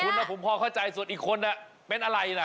คุณนะผมพอเข้าใจส่วนอีกคนเป็นอะไรนะ